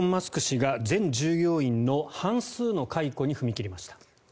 氏が全従業員の半数の解雇に踏み切りました。